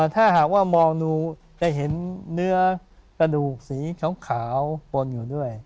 ถ้าหากว่ามองดูจะเห็นเนื้อกระดูกสีขาวปนอยู่ด้วย